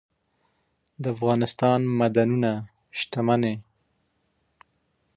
سرمایه د تولید لپاره مهمه ده.